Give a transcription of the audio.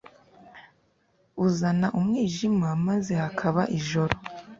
uzana umwijima, maze hakaba ijoro